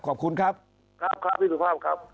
ครับพี่สุภาพครับ